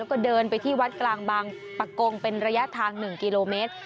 แล้วก็เดินไปที่วัดกลางบางปะกงเป็นระยะทาง๑กิโลเมตร